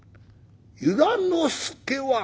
由良之助は？」。